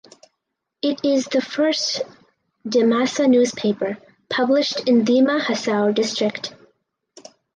It is the first Dimasa newspaper published in Dima Hasao district.